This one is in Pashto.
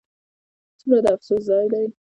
ځومره د افسوس ځاي دي